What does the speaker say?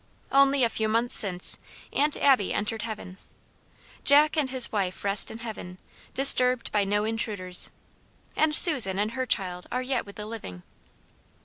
Only a few months since, Aunt Abby entered heaven. Jack and his wife rest in heaven, disturbed by no intruders; and Susan and her child are yet with the living.